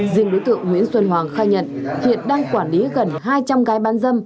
riêng đối tượng nguyễn xuân hoàng khai nhận hiện đang quản lý gần hai trăm linh gái bán dâm